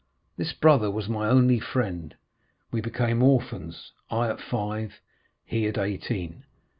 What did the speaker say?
This brother was my only friend; we became orphans—I at five, he at eighteen.